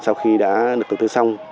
sau khi đã được đầu tư xong